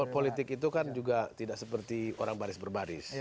politik itu kan juga tidak seperti orang baris berbaris